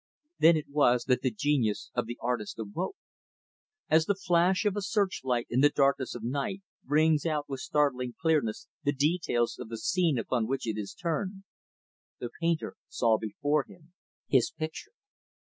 Then it was that the genius of the artist awoke. As the flash of a search light in the darkness of night brings out with startling clearness the details of the scene upon which it is turned, the painter saw before him his picture.